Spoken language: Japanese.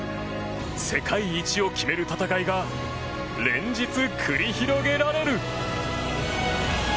世界一を決める戦いが連日、繰り広げられる。